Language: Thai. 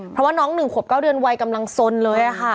เพราะว่าน้องหนึ่งขบเก้าเดือนไวกำลังสนเลยอะค่ะ